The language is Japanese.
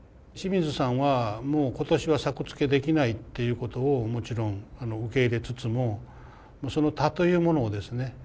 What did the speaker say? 清水さんはもう今年は作付けできないということをもちろん受け入れつつもその田というものをですね